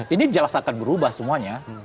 ini jelas akan berubah semuanya